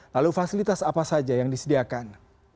lalu fasilitas apa saja yang disediakan